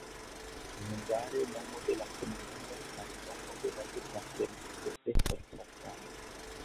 Hungare nomo de la komunumo kaj nomo de la departemento estas la sama.